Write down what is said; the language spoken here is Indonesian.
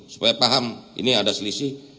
supaya paham ini ada selisih